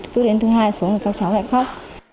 cứ đến thứ hai số thì các cháu lại khóc